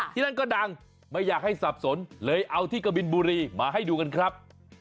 ที่นั่นก็ดังไม่อยากให้สับสนเลยเอาที่กะบินบุรีมาให้ดูกันครับ